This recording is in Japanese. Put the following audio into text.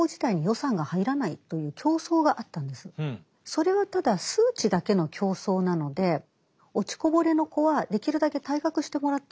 それはただ数値だけの競争なので落ちこぼれの子はできるだけ退学してもらった方が平均点は上がる。